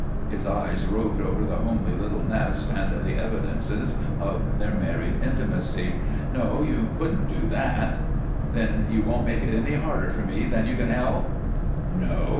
His eyes roved over the homely little nest and the evidences of their married intimacy. "No, you couldn't do that." "Then you won't make it any harder for me than you can help?" "No."